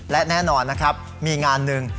และแน่นอนมีงานนึง